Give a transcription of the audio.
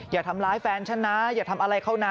อย่าทำร้ายแฟนฉันนะอย่าทำอะไรเขานะ